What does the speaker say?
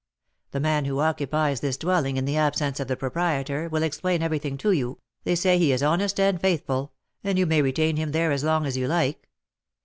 The man who occupies this dwelling in the absence of the proprietor will explain everything to you; they say he is honest and faithful, and you may retain him there as long as you like.